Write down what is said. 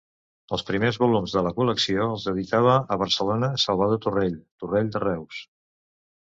Els primers volums de la col·lecció els editava a Barcelona Salvador Torrell, Torrell de Reus.